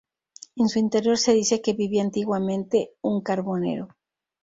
En su interior se dice que vivía antiguamente un carbonero.